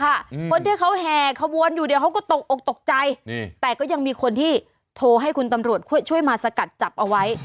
คนที่เขาแห่ขบวนอยู่เนี่ยเขาก็ตกอกตกใจนี่แต่ก็ยังมีคนที่โทรให้คุณตำรวจช่วยมาสกัดจับเอาไว้